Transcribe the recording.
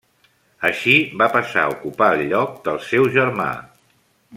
Així va passar a ocupar el lloc del seu germà.